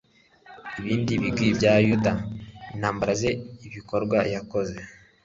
ibindi bigwi bya yuda, intambara ze, ibikorwa yakoze